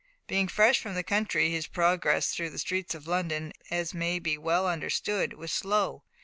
Being fresh from the country, his progress through the streets of London, as may be well understood, was slow.